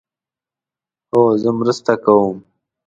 هو، زه مرسته کوم